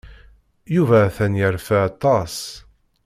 Yuba atan yerfa aṭas.